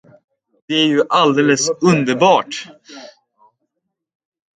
Det är ju alldeles underbart!